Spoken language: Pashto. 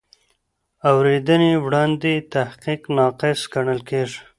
د اورېدنې وړاندې تحقیق ناقص ګڼل کېږي.